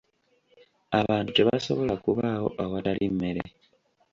Abantu tebasobola kubaawo awatali mmere.